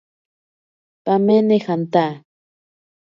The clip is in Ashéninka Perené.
Pamene janta.